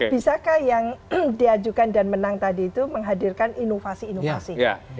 bisakah yang diajukan dan menang tadi itu menghadirkan inovasi inovasi